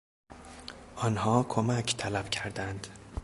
آنها کمک طلب کردند.